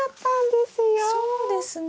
そうですね。